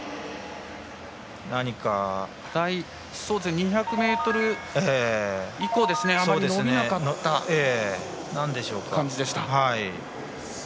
２００ｍ以降あまり伸びなかった感じでした。